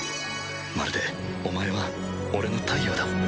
まるでお前は俺の太陽だ。